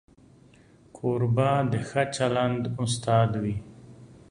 کوربه د ښه چلند استاد وي.